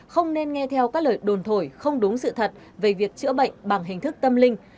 không nên nghe theo các lời đồn thổi không đúng sự thật về việc chữa bệnh bằng hình thức tâm linh